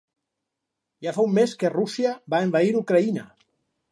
Ja fa un mes que Rússia va envair Ucraïna.